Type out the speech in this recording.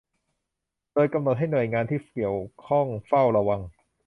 โดยกำหนดให้หน่วยงานที่เกี่ยวข้องเฝ้าระวัง